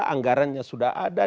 anggarannya sudah ada